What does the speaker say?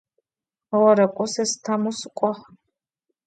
Ğerêk'o se Stambul sık'uağ.